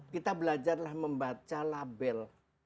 kita belajarlah membaca label